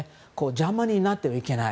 邪魔になってはいけない。